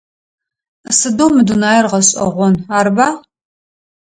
Сыдэу мы дунаир гъэшӏэгъон, арыба?